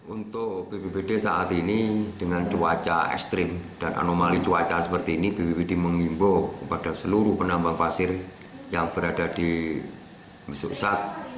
untuk bbbd saat ini dengan cuaca ekstrim dan anomali cuaca seperti ini bbbd menghimbau pada seluruh penambang pasir yang berada di mesir usat